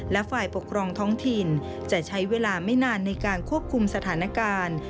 และฝ่ายปกครองท้องถิ่นจะใช้เวลาไม่นานในการควบคุมสถานการณ์